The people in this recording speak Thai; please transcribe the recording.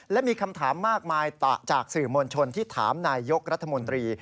และมีคำถามมากมายจากสื่อมวลชนที่ถามนายยกรัฐมนตรี